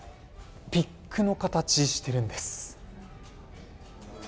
ピックの形してるんです。